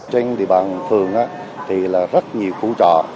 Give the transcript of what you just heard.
trên địa bàn phường thì là rất nhiều khu trọ